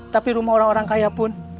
tapi rumah orang orang kaya pun